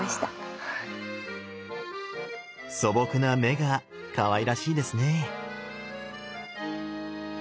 素朴な目がかわいらしいですね。